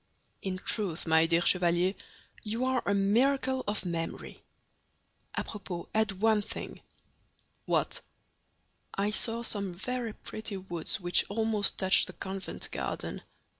"In truth, my dear Chevalier, you are a miracle of memory. A propos, add one thing—" "What?" "I saw some very pretty woods which almost touch the convent garden.